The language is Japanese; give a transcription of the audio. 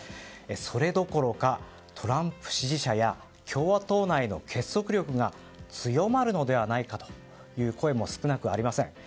それどころか、トランプ支持者や共和党内の結束力が強まるのではないかという声も少なくありません。